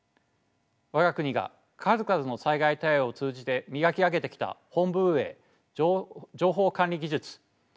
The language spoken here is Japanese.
我が国が数々の災害対応を通じて磨き上げてきた本部運営情報管理技術